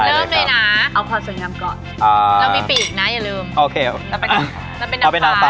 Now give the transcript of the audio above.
เริ่มเลยนะเอาพอสนงามก่อน